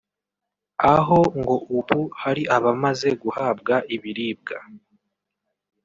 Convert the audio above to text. aho ngo ubu hari abamaze guhabwa ibiribwa